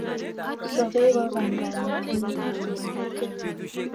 Sopet ko panda netinyei kawelutik